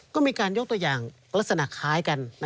ก็มีการยกตัวอย่างลักษณะคล้ายกัน